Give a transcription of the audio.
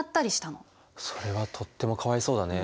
それはとってもかわいそうだね。